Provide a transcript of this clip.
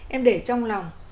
em để trong lòng